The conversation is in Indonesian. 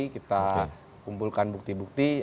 kita kumpulkan bukti bukti